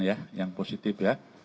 ya yang positif ya